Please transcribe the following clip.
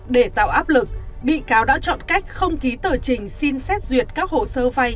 để tạo áp lực bị cáo đã chọn cách không ký tờ trình xin xét duyệt các hồ sơ vay